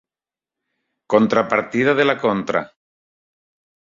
Contrapartida de la contra.